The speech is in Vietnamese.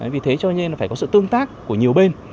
vì thế cho nên là phải có sự tương tác của nhiều bên